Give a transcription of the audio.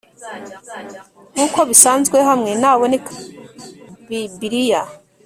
nkuko bisanzwe hamwe naboneka muri bibliya